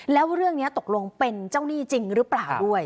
แล้วเรื่องนี้ตกลงเป็นเจ้าหนี้จริงหรือเปล่าด้วย